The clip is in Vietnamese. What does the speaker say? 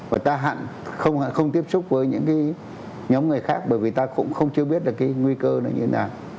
và ta không tiếp xúc với những cái nhóm người khác bởi vì ta cũng không chưa biết được cái nguy cơ nó như thế nào